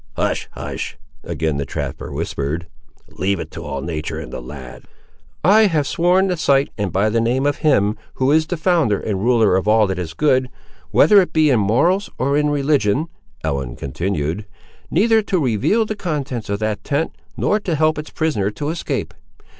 "Hush, hush," again the trapper whispered; "leave it all to natur' and the lad!" "I have sworn in the sight and by the name of Him who is the founder and ruler of all that is good, whether it be in morals or in religion," Ellen continued, "neither to reveal the contents of that tent, nor to help its prisoner to escape.